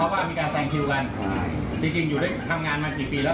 ว่ามีการแซงคิวกันจริงอยู่ได้ทำงานมากี่ปีแล้ว